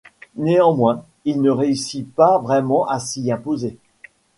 Néanmoins, il ne réussit pas vraiment à s'y imposer.